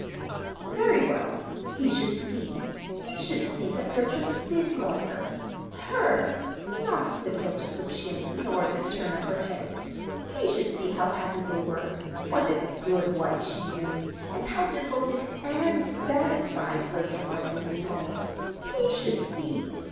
Very well, he should see! He should see that Bertram did love her; her not the tilt of her chin nor the turn of her head. He should see how happy they were, what a good wife she made, and how devoted and satisfied Bertram was in his home. He should see!